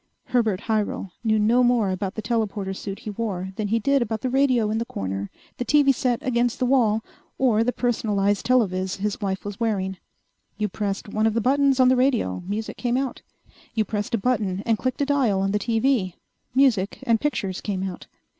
Herbert Hyrel knew no more about the telporter suit he wore than he did about the radio in the corner, the TV set against the wall, or the personalized telovis his wife was wearing. You pressed one of the buttons on the radio; music came out. You pressed a button and clicked a dial on the TV; music and pictures came out.